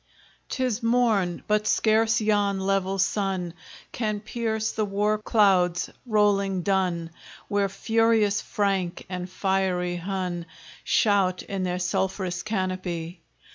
'Tis morn, but scarce yon level sun Can pierce the war clouds, rolling dun, Where furious Frank and fiery Hun Shout in their sulph'rous canopy.